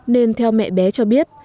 nên theo mẹ bé cho biết